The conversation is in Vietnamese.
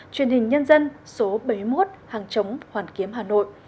truyền hình nhân dân số bảy mươi một hàng chống hoàn kiếm hà nội